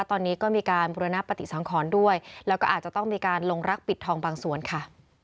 ตอนนี้ก็มีการบุรณปฏิสังขรด้วยแล้วก็อาจจะต้องมีการลงรักปิดทองบางส่วนค่ะ